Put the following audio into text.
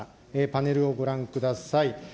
パネルをご覧ください。